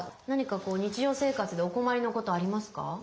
何かこう日常生活でお困りのことありますか？